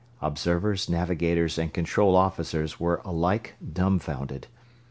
Observers, navigators, and control officers were alike dumfounded.